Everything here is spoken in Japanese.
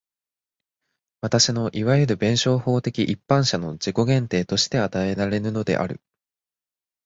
私のいわゆる弁証法的一般者の自己限定として与えられるのである。